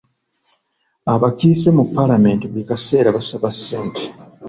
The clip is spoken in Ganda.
Abakiise mu paalamenti buli kaseera basaba ssente.